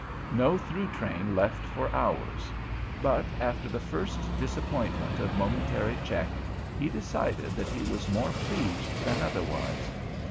No through train left for hours; but after the first disappointment of momentary check, he decided that he was more pleased than otherwise.